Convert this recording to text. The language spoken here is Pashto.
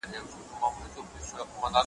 د خټین او د واورین سړک پر غاړه ,